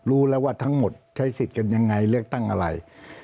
รู้แล้วว่าทั้งหมดใช้สิทธิ์กันยังไงเลือกตั้งอะไร